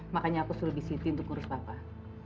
makanya aku suruh bisiti untuk ngurus bapak